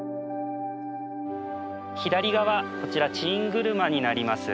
左側こちらチングルマになります。